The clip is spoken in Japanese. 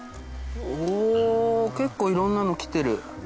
おぉ結構いろんなの来てる。